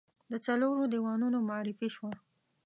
د څلورو دیوانونو معرفي شوه.